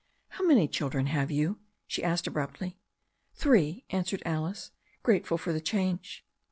^ "How many children have you?" she asked abruptly. "Three," answered Alice, grateful for the change.